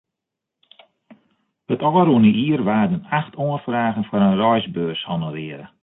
It ôfrûne jier waarden acht oanfragen foar in reisbeurs honorearre.